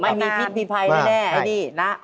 ไม่มีภิกพิภัยตอนนี้น่ะ